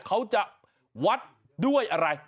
เขาจะวัดด้วยอะไร